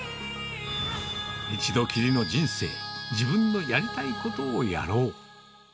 一度きりの人生、自分のやりたいことをやろう。